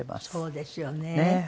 そうですよね。